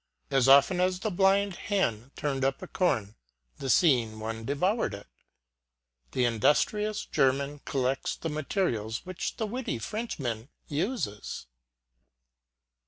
As often as the blind )(en turned up a corn, the seeing one de voured it The industrious German collects the materials which the witty Frenchman uses.